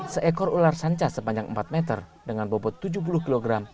seekor ular sancah sepanjang empat meter dengan bobot tujuh puluh kg